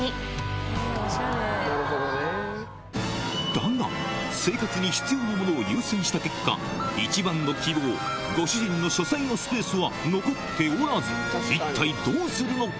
だが生活に必要なものを優先した結果一番の希望ご主人の書斎のスペースは残っておらず一体どうするのか？